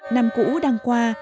năm cũ đang qua